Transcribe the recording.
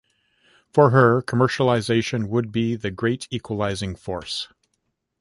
For her, commercialism would be the great equalizing force.